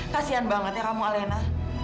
kasian banget ya kamu alena